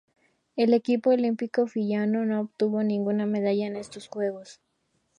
El equipo olímpico fiyiano no obtuvo ninguna medalla en estos Juegos.